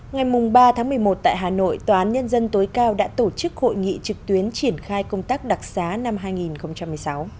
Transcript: ngày ba tháng một mươi một tại hà nội tòa án nhân dân tối cao đã tổ chức hội nghị trực tuyến triển khai công tác đặc xá năm hai nghìn một mươi sáu